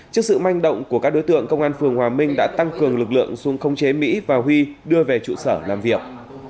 trước sự manh động của các đối tượng công an phường hòa minh đã tăng cường lực lượng xuống không chế mỹ và huy đưa về trụ sở làm việc